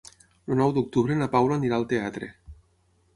El nou d'octubre na Paula anirà al teatre.